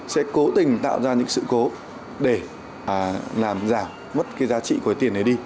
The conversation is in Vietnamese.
sẽ cố tình tạo ra những sự cố để làm giảm mất cái giá trị của tiền này đi